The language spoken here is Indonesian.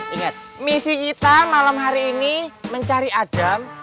ingat misi kita malam hari ini mencari adam